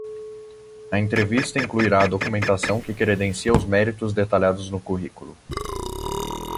A entrevista incluirá a documentação que credencia os méritos detalhados no currículo.